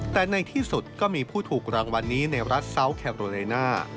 แต่ในที่สุดก็มีผู้ถูกรางวัลนี้ในรัฐซาวแคโรเลน่า